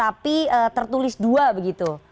tapi tertulis dua begitu